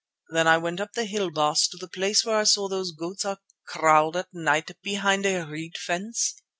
Then I went up the hill, Baas, to the place where I saw those goats are kraaled at night behind a reed fence.